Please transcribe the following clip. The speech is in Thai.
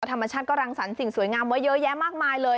ธรรมชาติก็รังสรรค์สิ่งสวยงามไว้เยอะแยะมากมายเลย